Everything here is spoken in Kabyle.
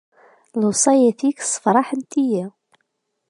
Lewṣayat-ik ssefraḥent-iyi.